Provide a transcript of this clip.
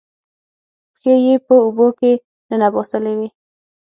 پښې یې په اوبو کې ننباسلې وې